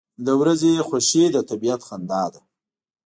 • د ورځې خوښي د طبیعت خندا ده.